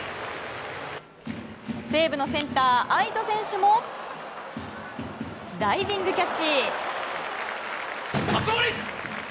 西武のセンター、愛斗選手もダイビングキャッチ！